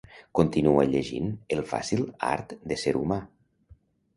"Continua llegint ""El fàcil art de ser humà"" ?"